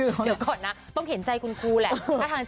เดี๋ยวก่อนนะต้องเห็นใจคุณครูแหละ